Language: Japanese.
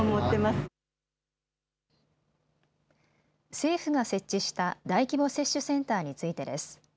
政府が設置した大規模接種センターについてです。